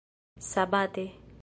sabate